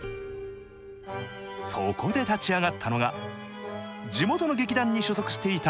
そこで立ち上がったのが地元の劇団に所属していた役者たち。